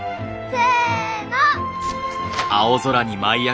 せの。